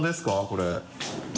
これ。